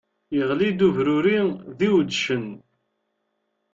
Iɣli-d ubruri d iwedcen!